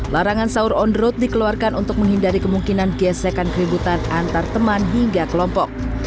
larangan sahur on road dikeluarkan untuk menghindari kemungkinan gesekan keributan antar teman hingga kelompok